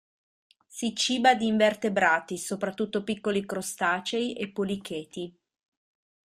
Si ciba di invertebrati, soprattutto piccoli Crostacei e Policheti.